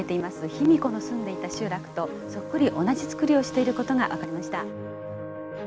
卑弥呼の住んでいた集落とそっくり同じ作りをしていることが分かりました。